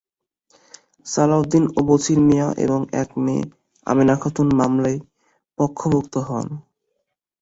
সালাউদ্দিন ও বছির মিয়া এবং এক মেয়ে আমেনা খাতুন মামলায় পক্ষভুক্ত হন।